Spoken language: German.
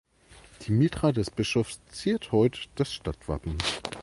Die Mitra des Bischofs ziert heut das Stadtwappen.